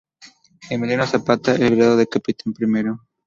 Emiliano Zapata el grado de Capitán Primero.